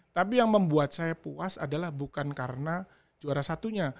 tapi yang membuat saya puas adalah bukan karena juara satunya